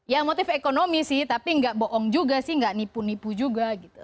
ya motif ekonomi sih tapi nggak bohong juga sih nggak nipu nipu juga gitu